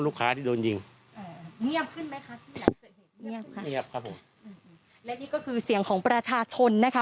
ลูกค้าที่โดนยิงเงียบขึ้นไหมคะเงียบครับครับผมแล้วนี่ก็คือเสียงของประชาชนนะคะ